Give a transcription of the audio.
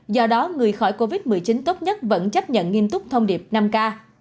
do đó người khỏi covid một mươi chín tốt nhất vẫn chấp nhận nghiêm túc thông điệp năm k